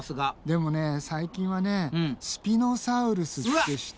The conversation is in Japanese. でもね最近はねスピノサウルスって知ってる？